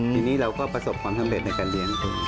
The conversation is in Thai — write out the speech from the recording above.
ทีนี้เราก็ประสบความสำเร็จในการเลี้ยง